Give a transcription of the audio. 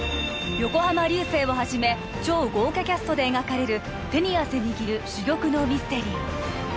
横浜流星をはじめ超豪華キャストで描かれる手に汗握る珠玉のミステリー